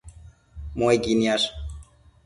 Muequi niash